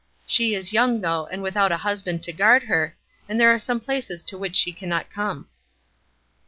She is young, though, and without a husband to guard her, and there are some places to which she cannot come."